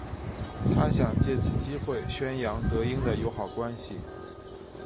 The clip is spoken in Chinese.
他想借此机会宣扬德英的友好关系。